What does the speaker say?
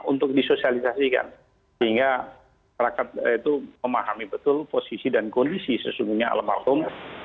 untuk disosialisasikan sehingga masyarakat itu memahami betul posisi dan kondisi sesungguhnya almarhum